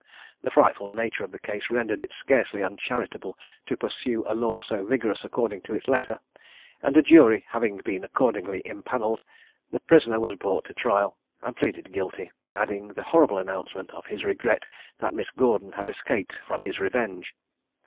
The frightful nature of the case rendered it scarcely uncharitable to pursue a law so vigorous according to its letter, and a jury having been accordingly impanelled, the prisoner was brought to trial, and pleaded guilty, adding the horrible announcement of his regret that Miss Gordon had escaped from his revenge.